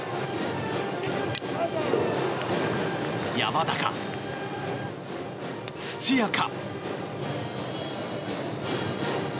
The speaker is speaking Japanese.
山田か、土屋か。